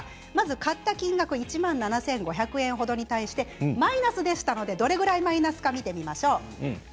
買った金額１万７５００円程に対してマイナスでしたのでどれくらいマイナスか見てみましょう。